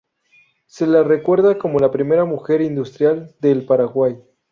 Se la recuerda como la primera mujer industrial del Paraguay.